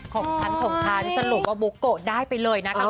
ของฉันของฉันพูดเหมือนต้องเป็นของฉันน้อย